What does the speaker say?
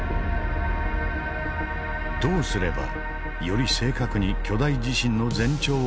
どうすればより正確に巨大地震の前兆を捉えられるのか。